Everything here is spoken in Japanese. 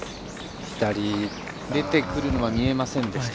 出てくるのは見えませんでした。